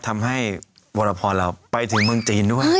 ทำให้วรพรเราไปถึงเมืองจีนด้วย